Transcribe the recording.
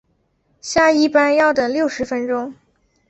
下一班要等六十分钟